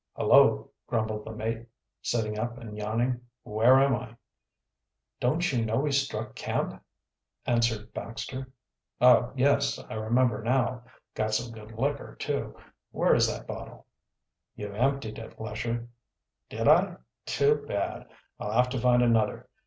"Hullo!" grumbled the mate, sitting up and yawning. "Where am I?" "Don't you know we struck camp?" answered Baxter. "Oh, yes, I remember now. Got some good liquor, too. Where is that bottle?" "You emptied it, Lesher." "Did I? Too bad! I'll have to find another.